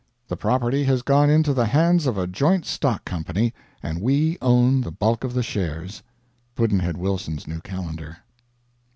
The property has gone into the hands of a joint stock company and we own the bulk of the shares! Pudd'nhead Wilson's New Calendar.